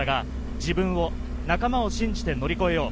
両角監督自らが仲間を信じて乗り越えよう。